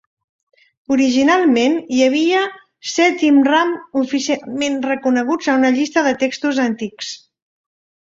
Originalment, hi havia set immram oficialment reconeguts a una llista de textos antics.